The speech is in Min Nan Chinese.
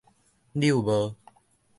遛帽